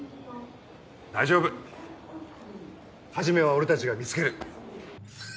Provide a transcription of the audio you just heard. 大丈夫始は俺たちが見つける。